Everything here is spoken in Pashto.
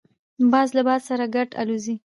باز له باد سره ګډ الوزي